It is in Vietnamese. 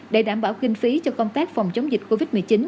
để đảm bảo kinh phí cho công tác phòng chống dịch covid một mươi chín